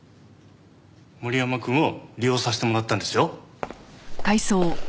森山くんを利用させてもらったんですよ。